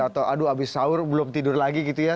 atau aduh abis sahur belum tidur lagi gitu ya